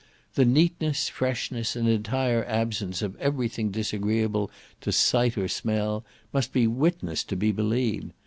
The neatness, freshness, and entire absence of every thing disagreeable to sight or smell, must be witnessed to be believed.